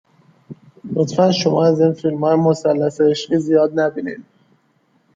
لطفاً شما از این فیلم های مثلث عشقی زیاد نبینین